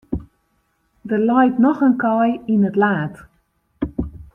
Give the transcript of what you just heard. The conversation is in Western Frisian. Der leit noch in kaai yn it laad.